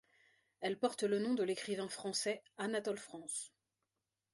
Elle porte le nom de l'écrivain français Anatole France.